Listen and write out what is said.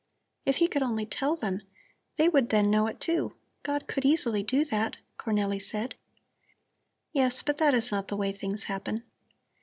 "If He could only tell them! They would then know it, too. God could easily do that," Cornelli said. "Yes, but that is not the way things happen.